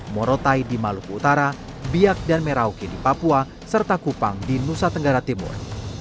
morotai di maluku utara biak dan merauke di papua serta kupang di nusa tenggara timur